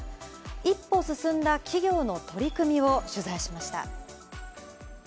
一歩進んだ企業の取り組みを取材しました。